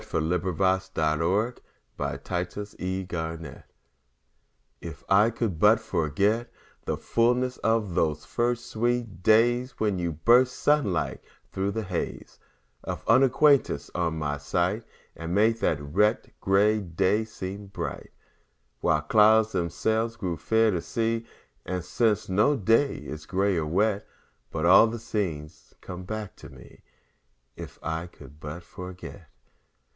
Paul Laurence Dunbar If I Could But Forget IF I could but forget The fullness of those first sweet days, When you burst sun like thro' the haze Of unacquaintance, on my sight, And made the wet, gray day seem bright While clouds themselves grew fair to see. And since, no day is gray or wet But all the scene comes back to me, If I could but forget.